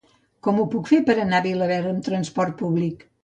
Com ho puc fer per anar a Vilaverd amb trasport públic?